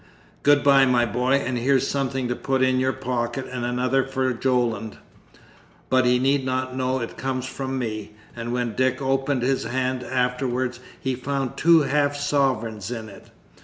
Good bye, my boy, and here's something to put in your pocket, and another for Jolland; but he need not know it comes from me." And when Dick opened his hand afterwards, he found two half sovereigns in it.